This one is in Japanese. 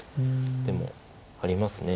手もありますね。